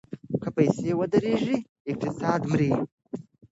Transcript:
که پیسې ودریږي اقتصاد مري.